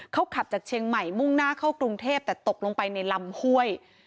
เขาขับจากเชียงใหม่มุ่งหน้าเข้ากรุงเทพแต่ตกลงไปในลำห้วย